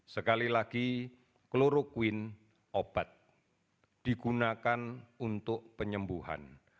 sekali lagi kloroquine obat digunakan untuk penyembuhan